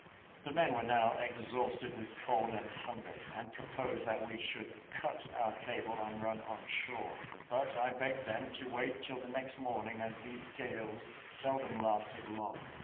The men were now exhausted with cold and hunger, and proposed that we should cut our cable and run on shore; but I begged them to wait till the next morning, as these gales seldom lasted long.